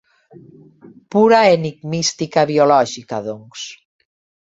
Pura enigmística biològica, doncs.